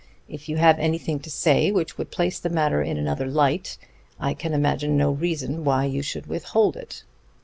If you have anything to say which would place the matter in another light, I can imagine no reason why you should withhold it.